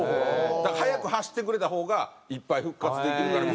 だから速く走ってくれた方がいっぱい復活できるから。